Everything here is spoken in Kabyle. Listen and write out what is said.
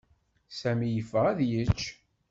Sami yeffeɣ ad yečč.